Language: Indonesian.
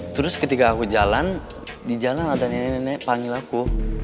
terus ketika aku jalan di jalan ada nenek nenek panggil aku